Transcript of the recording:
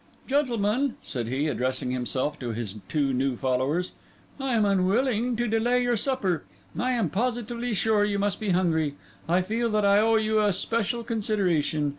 "Gentlemen," said he, addressing himself to his two new followers, "I am unwilling to delay your supper. I am positively sure you must be hungry. I feel that I owe you a special consideration.